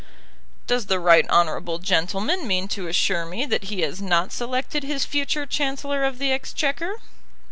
"Does the right honourable gentleman mean to assure me that he has not selected his future Chancellor of the Exchequer?"